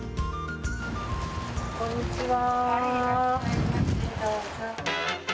こんにちは。